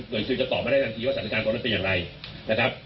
หน่วยซิลจะตอบมาได้ทั้งทีว่าสถาปนาตรงนั้นเป็นอย่างไรนะครับ